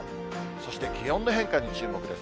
そして気温の変化に注目です。